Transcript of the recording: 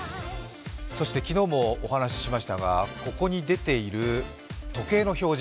そして昨日もお話しましたがここに出ている時計の表示